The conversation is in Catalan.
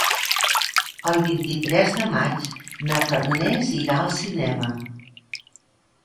El vint-i-tres de maig na Farners irà al cinema.